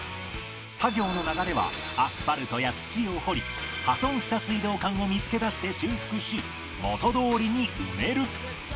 作業の流れはアスファルトや土を掘り破損した水道管を見付けだして修復し元通りに埋める